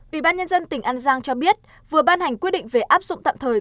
bị ban nhân dân tỉnh an giang cho biết vừa ban hành quy định về áp dụng tạm thời